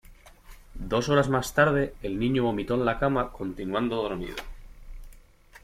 Dos horas más tarde el niño vomitó en la cama continuando dormido.